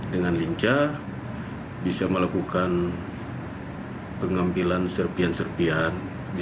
dengan lincah bisa melakukan pengambilan serpian serpian